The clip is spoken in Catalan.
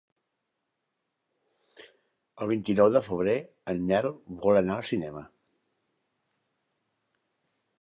El vint-i-nou de febrer en Nel vol anar al cinema.